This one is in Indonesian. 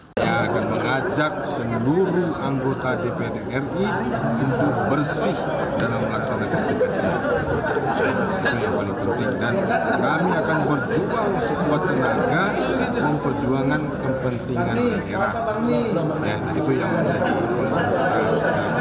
saya akan berusaha sekuat mungkin untuk menjaga keharmonisan dan persatuan dan kesatuan di antara seluruh anggota